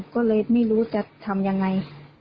ก็เลยไม่รู้จะทำยังไง